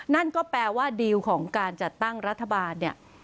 นั่นก็แปลว่าดีลของการจัดตั้งรัฐบาลเนี่ย